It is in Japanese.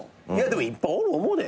でもいっぱいおる思うで。